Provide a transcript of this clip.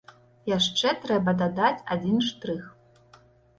Яшчэ трэба дадаць адзін штрых.